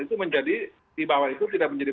itu menjadi di bawah itu tidak menjadi